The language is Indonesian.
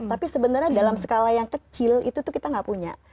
tapi sebenarnya dalam skala yang kecil itu tuh kita gak punya